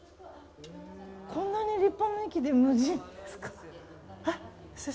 こんなに立派な駅で無人ですか。